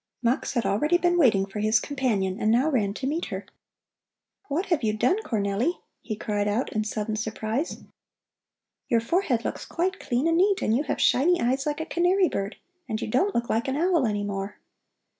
Mux had already been waiting for his companion and now ran to meet her. "What have you done, Cornelli?" he cried out in sudden surprise. "Your forehead looks quite clean and neat, and you have shiny eyes like a canary bird, and you don't look like an owl any more."